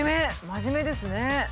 真面目ですね。